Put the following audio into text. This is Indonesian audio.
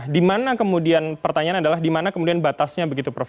dimana kemudian pertanyaan adalah dimana kemudian batasnya begitu prof